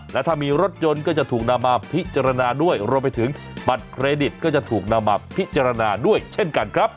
และถ้ามีรถยนต์ก็จะถูกนำมาพิจารณาด้วยรวมไปถึงบัตรเครดิตก็จะถูกนำมาพิจารณาด้วยเช่นกันครับ